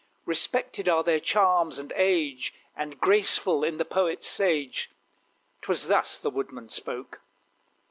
"Respected are their charms and age, And graceful in the poet's page" 'Twas thus the Woodman spoke.